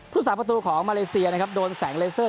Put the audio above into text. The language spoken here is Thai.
ผู้สาปดตูของมาเลเซียโดนแสงเลสเซอร์